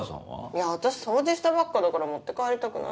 いや私掃除したばっかだから持って帰りたくないです。